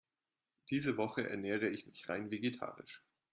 Diese Woche ernähre ich mich rein vegetarisch.